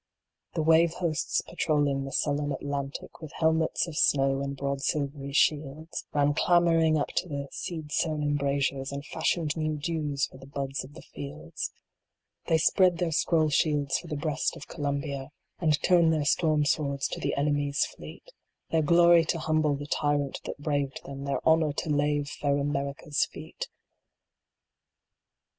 The wave hosts patrolling the sullen Atlantic, With helmets of snow, and broad silvery shields, Ran clamoring up to the seed sown embrasures, And fashioned new dews for the buds of the fields : They spread their scroll shields for the breast of Columbia, And turned their storm swords to the enemy s fleet; Their glory to humble the tyrant that braved them, Their honor to lave fair America s feet